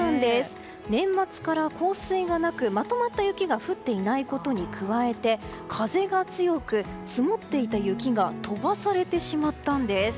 年末から降水がなくまとまった雪が降ってないことに加えて風が強く積もっていた雪が飛ばされてしまったんです。